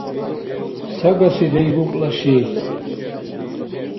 Сагаси Дейбукӏла ши.